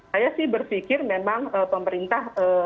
saya sih berpikir memang pemerintah